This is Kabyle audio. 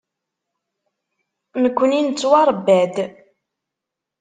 Nekkni nettwaṛebba-d.